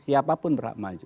siapapun berhampiran maju